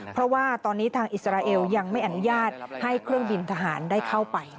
เพราะว่าตอนนี้ทางอิสราเอลยังไม่อนุญาตให้เครื่องบินทหารได้เข้าไป